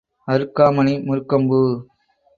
அருக்காமணி முருக்கம் பூ.